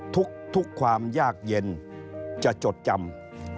ทุกความยากเย็นจะจดจำ